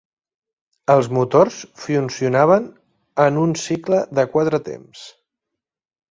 Els motors funcionaven en un cicle de quatre temps.